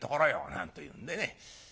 なんというんでね。